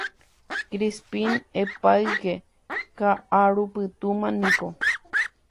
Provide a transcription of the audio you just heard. Crispín epáyke ka'arupytũma niko